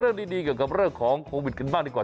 เรื่องดีเกี่ยวกับเรื่องของโควิดกันบ้างดีกว่า